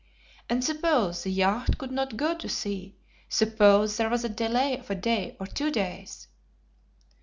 And suppose the yacht could not go to sea; suppose there was a delay of a day, or two days."